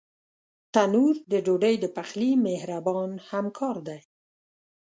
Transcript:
تنور د ډوډۍ د پخلي مهربان همکار دی